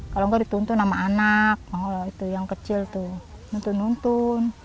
kalau nggak dituntun sama anak itu yang kecil tuh nuntun nuntun